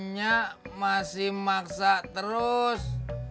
nya masih maksa terus